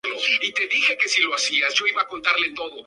Está nombrado en honor de Evelyn Smith Dugan, madre del descubridor.